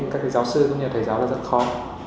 các cái giáo sư cũng như là thầy giáo là rất khó